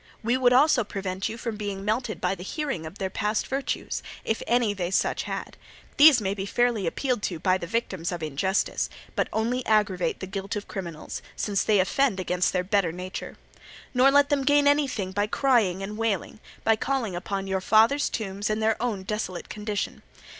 We would also prevent you from being melted by hearing of their past virtues, if any such they had: these may be fairly appealed to by the victims of injustice, but only aggravate the guilt of criminals, since they offend against their better nature. Nor let them gain anything by crying and wailing, by calling upon your fathers' tombs and their own desolate condition.